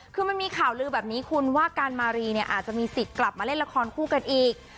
คือมันมีข่าวลือแบบนี้คุณว่าการมารีเนี่ยอาจจะมีสิทธิ์กลับมาเล่นละครคู่กันอีก